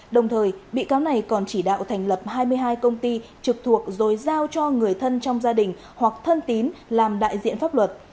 đồng thời bị cáo này còn chỉ đạo thành lập hai mươi hai công ty trực thuộc rồi giao cho người thân trong gia đình hoặc thân tín làm đại diện pháp luật